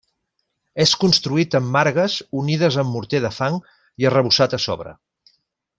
És construït amb margues unides amb morter de fang i arrebossat a sobre.